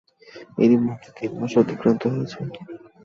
এরই মধ্যে তিন মাস অতিক্রান্ত হয়ে যায়।